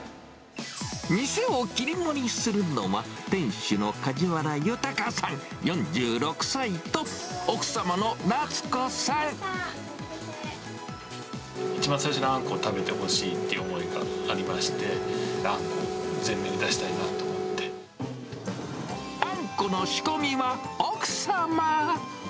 店を切り盛りするのは、店主の梶原裕さん４６歳と、一番最初にあんこを食べてほしいという思いがありまして、あんこを前面に出したいなと思っあんこの仕込みは奥様。